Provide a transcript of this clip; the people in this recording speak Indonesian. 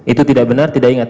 itu tidak benar tidak ingat